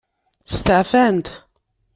Steɛfant.